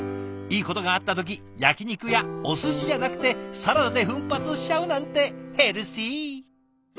いいことがあった時焼き肉やおすしじゃなくてサラダで奮発しちゃうなんてヘルシー。